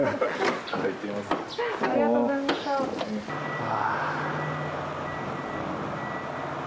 ああ。